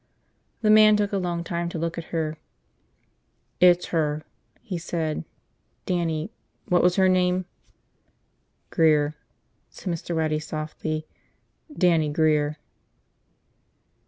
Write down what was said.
The man took a long time to look at her. "It's her," he said. "Dannie – what was her name?" "Grear," Mr. Waddy said softly. "Dannie Grear."